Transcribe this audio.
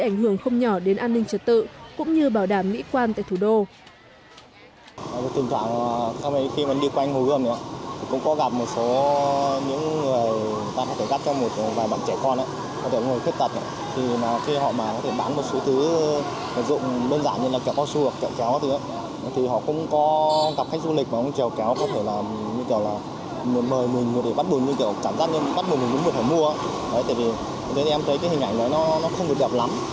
ảnh hưởng không nhỏ đến an ninh trật tự cũng như bảo đảm nghĩ quan tại thủ đô